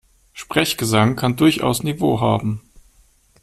Sprechgesang kann durchaus Niveau haben.